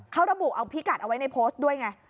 เขาระบุเอาพิกัดเอาไว้ในโพสต์ด้วยไง